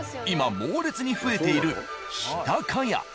今猛烈に増えている「日高屋」。